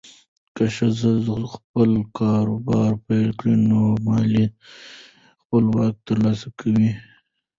که ښځه خپل کاروبار پیل کړي، نو مالي خپلواکي ترلاسه کوي.